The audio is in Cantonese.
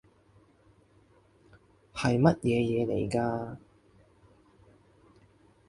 係乜嘢嘢嚟嘅